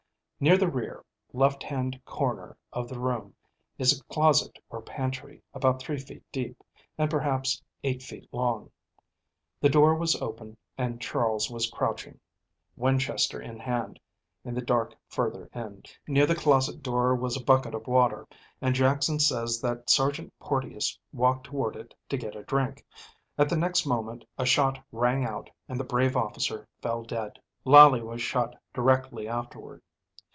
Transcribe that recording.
Near the rear, left hand corner of the room is a closet or pantry, about three feet deep, and perhaps eight feet long. The door was open and Charles was crouching, Winchester in hand, in the dark further end. Near the closet door was a bucket of water, and Jackson says that Sergeant Porteous walked toward it to get a drink. At the next moment a shot rang out and the brave officer fell dead. Lally was shot directly afterward.